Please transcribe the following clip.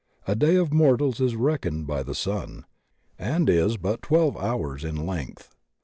A day of mortals is reckoned by the sun, and is but twelve hours in length.